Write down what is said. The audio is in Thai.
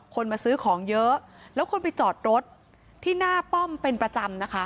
มาซื้อของเยอะแล้วคนไปจอดรถที่หน้าป้อมเป็นประจำนะคะ